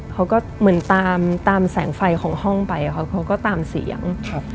เขาก็เหมือนตามแสงไฟของห้องไปเขาก็ตามเสียง